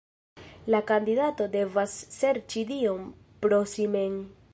La kandidato devas serĉi Dion pro si mem.